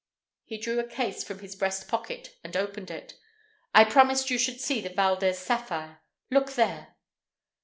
He drew a case from his breast pocket and opened it. "I promised you should see the Valdez sapphire. Look there!"